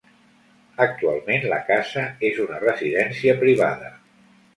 Actualment, la casa és una residència privada.